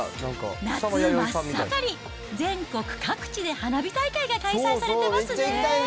夏真っ盛り、全国各地で花火大会が開催されてますね。